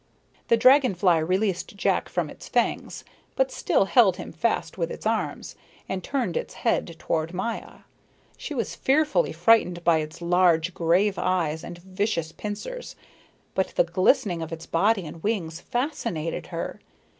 The dragon fly released Jack from its fangs, but still held him fast with its arms, and turned its head toward Maya. She was fearfully frightened by its large, grave eyes and vicious pincers, but the glittering of its body and wings fascinated her.